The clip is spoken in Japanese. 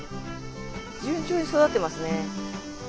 順調に育ってますね。